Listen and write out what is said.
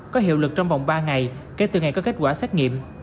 có hiệu lực trong vòng ba ngày kể từ ngày có kết quả xét nghiệm